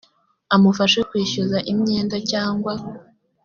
amufashe kwishyuza imyenda cyangwa